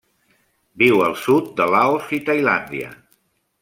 Viu al sud de Laos i Tailàndia.